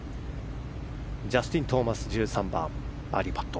ジャスティン・トーマス１３番、バーディーパット。